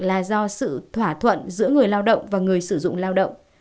là do sự thỏa thuận giữa người lao động và người sử dụng lao động